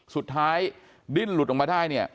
สุดท้ายดิ้นหลุดออกมาได้เนี่ย